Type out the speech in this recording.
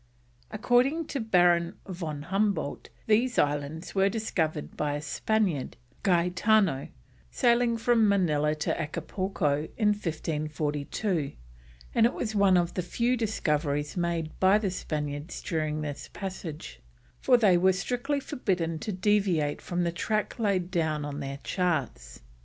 According to Baron von Humboldt these islands were discovered by a Spaniard, Gaetano, sailing from Manilla to Acapulco in 1542, and it was one of the few discoveries made by the Spaniards during this passage, for they were strictly forbidden to deviate from the track laid down on their charts.